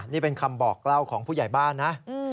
นี่เป็นคำบอกเล่าของผู้ใหญ่บ้านนะ